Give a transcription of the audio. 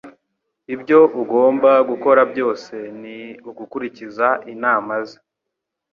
Ibyo ugomba gukora byose ni ugukurikiza inama ze.